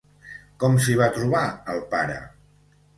Com s'hi va a trobar el pare?